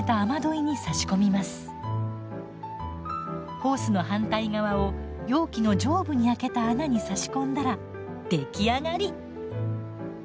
ホースの反対側を容器の上部に開けた穴に差し込んだら出来上がり！